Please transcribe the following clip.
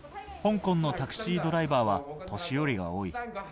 香港のタクシードライバーは年寄りが多い。